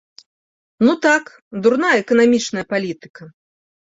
Ну так, дурная эканамічная палітыка.